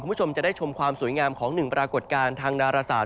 คุณผู้ชมจะได้ชมความสวยงามของหนึ่งปรากฏการณ์ทางดาราศาสต